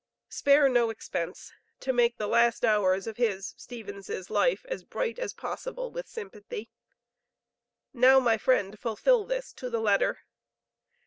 Spare no expense to make the last hours of his (Stephens') life as bright as possible with sympathy.... Now, my friend, fulfil this to the letter.